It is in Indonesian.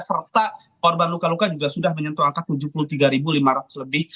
serta korban luka luka juga sudah menyentuh angka tujuh puluh tiga lima ratus lebih